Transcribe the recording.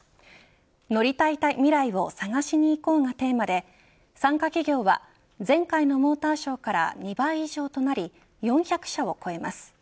乗りたい未来を、探しにいこう！がテーマで参加企業は前回のモーターショーから２倍以上となり４００社を超えます。